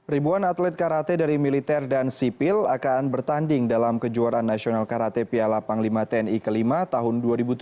ribuan atlet karate dari militer dan sipil akan bertanding dalam kejuaraan nasional karate piala panglima tni ke lima tahun dua ribu tujuh belas